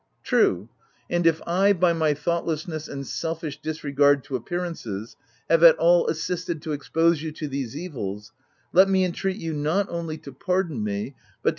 " True ; and if I, by my thoughtlessness and selfish disregard to appearances, have at all assisted to expose you to these evils, let me entreat you not only to pardon me, but to OF WILDFELL HALL.